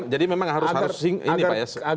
jadi memang harus ini pak ya